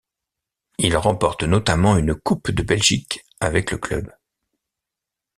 Il remporte notamment une Coupe de Belgique avec le club.